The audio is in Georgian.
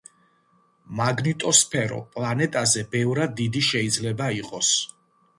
მაგნიტოსფერო პლანეტაზე ბევრად დიდი შეიძლება იყოს.